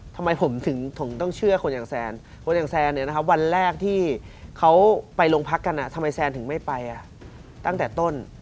ทำไมผมถึงต้องเชื่อคนอย่างแซนคนอย่างแซนเนี่ยนะครับวันแรกที่เขาไปโรงพักกันทำไมแซนถึงไม่ไปตั้งแต่ต้น